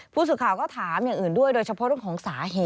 ผู้สื่อข่าวก็ถามอย่างอื่นด้วยโดยเฉพาะเรื่องของสาเหตุ